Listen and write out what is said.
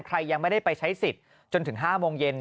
ใครยังไม่ได้ไปใช้สิทธิ์จนถึง๕โมงเย็น